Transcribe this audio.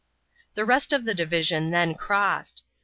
The rest of the division then crossed.